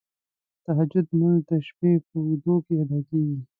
تهجد لمونځ د شپې په اوږدو کې ادا کیږی.